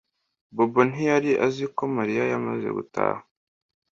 Bobo ntiyari azi ko Mariya yamaze gutaha